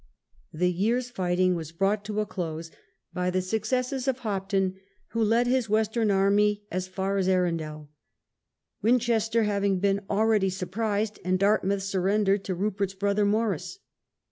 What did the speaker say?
The year's fighting was brought to a close by the successes of Hop ton, who led his Western army as far as Arundel, Winchester having been already surprised, and Dart mouth surrendered to Rupert's brother Maurice.